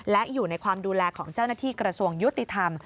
และอยู่ในความดูแลของเจ้าหน้าที่กระทรวงยุติธรรม